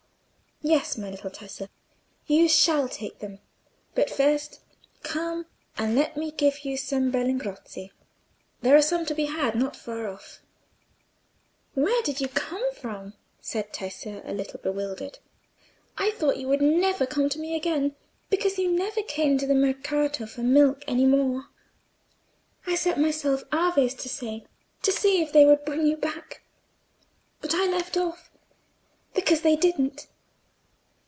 "Yes, my little Tessa, you shall take them; but first come and let me give you some berlingozzi. There are some to be had not far off." "Where did you come from?" said Tessa, a little bewildered. "I thought you would never come to me again, because you never came to the Mercato for milk any more. I set myself Aves to say, to see if they would bring you back, but I left off, because they didn't."